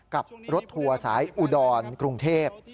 กับรถทัวร์สายอุดรกรุงเทพ